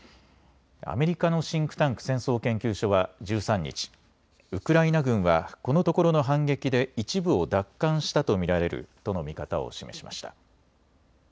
アメリカのシンクタンク、戦争研究所は１３日、ウクライナ軍はこのところの反撃で一部を奪還したと見られるとの見方を示しました。